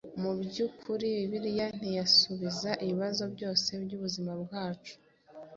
Mu byukuri Bibiliya ntiyasubiza ibibazo byose by‟ubuzima bwacu.